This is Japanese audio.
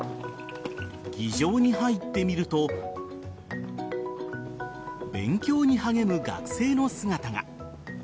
議場に入ってみると勉強に励む学生の姿が。